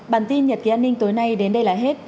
bản tin nhật ký an ninh tối nay đến đây là hết